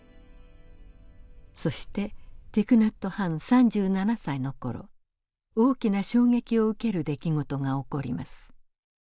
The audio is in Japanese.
そしてティク・ナット・ハン３７歳の頃大きな衝撃を受ける出来事が起こります。